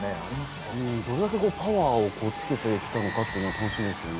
どれだけパワーを付けて来たのかっていうのは楽しみですよね。